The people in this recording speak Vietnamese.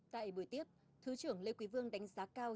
tại buổi tiếp thứ trưởng lê quý vương đánh giá cao